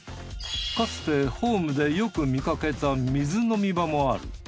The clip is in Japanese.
かつてホームでよく見かけた水飲み場もある。